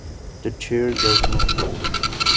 The chair does not fold.